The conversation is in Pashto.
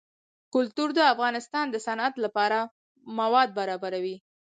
کلتور د افغانستان د صنعت لپاره مواد برابروي.